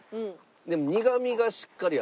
でも苦みがしっかりある。